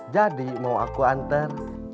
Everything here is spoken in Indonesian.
jadi mau aku antar